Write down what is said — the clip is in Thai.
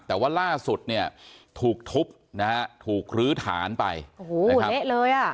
แต่ว่าล่าสุดเนี่ยถูกทุบนะฮะถูกลื้อฐานไปโอ้โหเละเลยอ่ะ